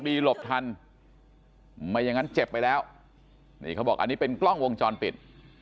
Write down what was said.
มีลบทันไหมยังไงเจ็บไปแล้วนี่ต้องบอกอันนี้เป็นกล้องวงจรปิด